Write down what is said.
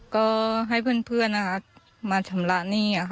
ก็ให้เพื่อนมาทำร้านนี้